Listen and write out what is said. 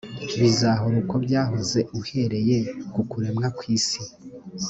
bizahora uko byahoze uhereye ku kuremwa kw isi .